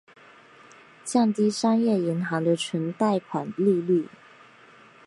降低商业银行的存贷款利率。